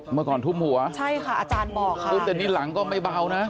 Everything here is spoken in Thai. เมื่อก่อนทุ่มหัวใช่ค่ะอาจารย์บอกค่ะทุบแต่นี่หลังก็ไม่เบานะ